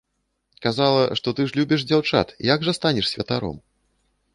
Казала, што, ты ж любіш дзяўчат, як жа станеш святаром?!